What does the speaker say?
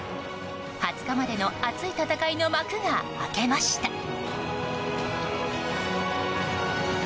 ２０日までの熱い戦いの幕が開けました。